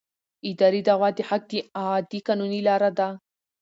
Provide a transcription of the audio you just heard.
اداري دعوه د حق د اعادې قانوني لاره ده.